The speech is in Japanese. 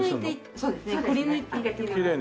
そうですね。